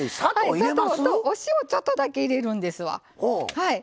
砂糖とお塩ちょっとだけ入れるんですわ。